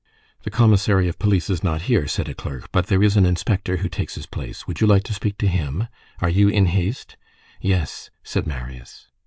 "The commissary of police is not here," said a clerk; "but there is an inspector who takes his place. Would you like to speak to him? Are you in haste?" "Yes," said Marius.